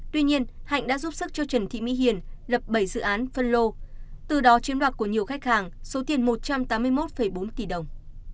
tuy nhiên hạnh đã giúp sức cho trần thị mỹ hiền lập bảy dự án phân lô từ đó chiếm đoạt của nhiều khách hàng số tiền một trăm tám mươi một bốn tỷ đồng